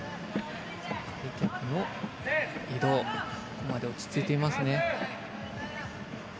ここまで落ち着いていますね。